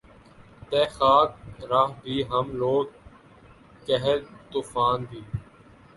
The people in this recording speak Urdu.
تھے خاک راہ بھی ہم لوگ قہر طوفاں بھی